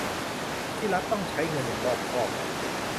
ที่รัฐต้องใช้เงินอย่างรอบคอบ